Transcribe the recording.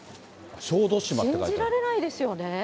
信じられないですよね。